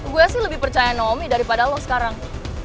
gue sih lebih percaya nomi daripada lo sekarang